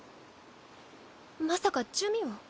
まさか珠魅を？